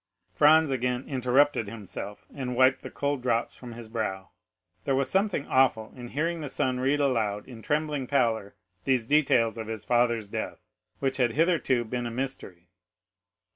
'" Franz again interrupted himself, and wiped the cold drops from his brow; there was something awful in hearing the son read aloud in trembling pallor these details of his father's death, which had hitherto been a mystery.